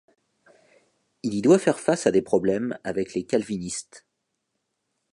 Il y doit faire face à des problèmes avec les calvinistes.